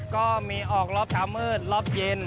ก็มีออกรอบเช้ามืดรอบเย็น